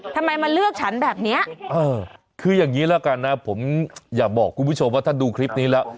ทำไมมาเลือกฉันแบบเนี้ยเออคืออย่างนี้แล้วกันนะผมอยากบอกคุณผู้ชมว่าถ้าดูคลิปนี้แล้ว